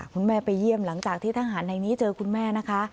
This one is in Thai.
คุณแม่ไปเยี่ยมหลังจากที่ทหารในนี้เจอคุณแม่นะคะ